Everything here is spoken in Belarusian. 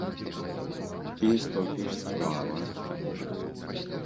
І столькі ж справа.